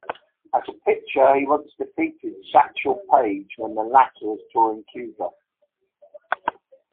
As a pitcher, he once defeated Satchel Paige when the latter was touring Cuba.